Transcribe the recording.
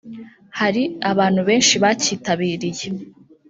hari abantu benshi bacyitabiriye